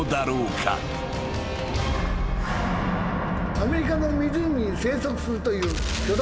アメリカの湖に生息するという。